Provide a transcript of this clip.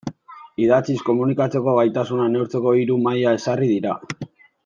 Idatziz komunikatzeko gaitasuna neurtzeko hiru maila ezarri dira.